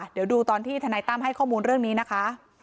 เดี๋ยวดูตอนที่ทนายตั้มให้ข้อมูลเรื่องนี้นะคะ